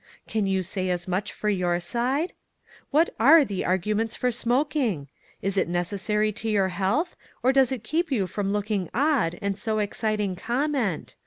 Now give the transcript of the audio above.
Can you say as much for your side ? What are the argu ments for smoking? Is it necessary to your health ? or does it keep you from looking odd, and so exciting comment?